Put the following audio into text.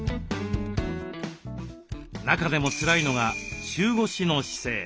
中でもつらいのが中腰の姿勢。